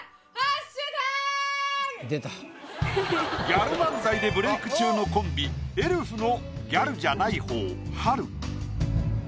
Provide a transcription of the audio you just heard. ギャル漫才でブレイク中のコンビ「エルフ」のギャルじゃない方はる。